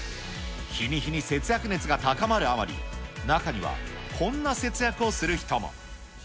日に日に節約熱が高まるあまり、中にはこんな節約をする人も。